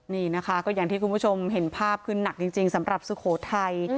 นี่นะคะก็อย่างที่คุณผู้ชมเห็นภาพคือหนักจริงสำหรับสุโขทัย